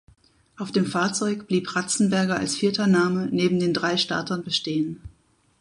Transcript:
Auf dem Fahrzeug blieb Ratzenberger als vierter Name neben den drei Startern bestehen.